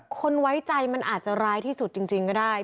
คนไว้ใจมันอาจจะร้ายที่สุดจริงก็ได้